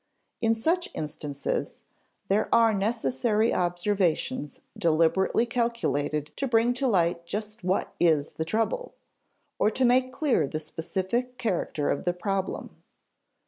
In such instances, there are necessary observations deliberately calculated to bring to light just what is the trouble, or to make clear the specific character of the problem.